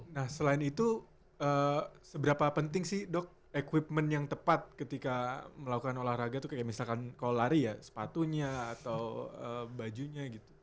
nah selain itu seberapa penting sih dok equipment yang tepat ketika melakukan olahraga itu kayak misalkan kalau lari ya sepatunya atau bajunya gitu